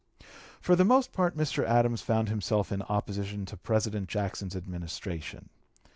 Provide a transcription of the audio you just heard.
For the most part Mr. Adams found himself in opposition to President Jackson's Administration.